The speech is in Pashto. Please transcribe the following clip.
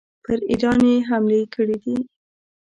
پر ایران یې حملې کړي دي.